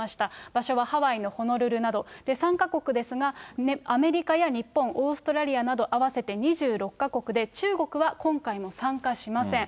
場所はハワイのホノルルなど、３か国ですが、アメリカや日本、オーストラリアなど合わせて２６か国で、中国は今回も参加しません。